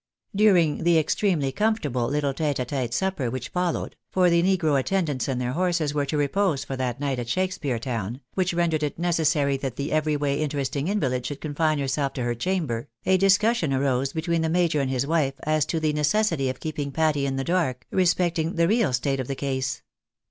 During the extremely comfortable little tete a tete supper which followed (for the negro attendants and their horses were to repose for that night at Shakspeare Town, which rendered it necessary that the every way interesting invalid should confine herself to her chamber), a discussion arose between the major and his wife as to the necessity of keeping Patty in the dark respecting the real state of the case.